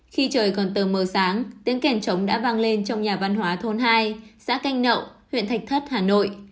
khi trời còn tờ mờ sáng tiếng kèn trống đã vang lên trong nhà văn hóa thôn hai xã canh nậu huyện thạch thất hà nội